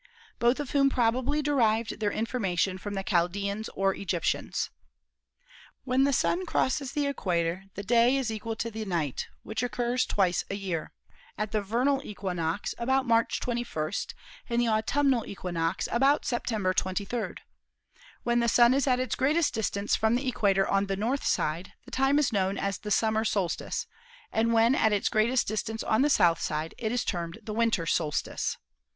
both of whom probably derived their information from the Chaldeans or Egyptians. When the Sun crosses the equator the day is equal to the night, which occurs twice a year, at the vernal equinox about March 21 and the autumnal equinox about Septem ber 23. When the Sun is at its greatest distance from the equator on the north side the time is known as the summer solstice, and when at its greatest distance on the south side it is termed the winter solstice.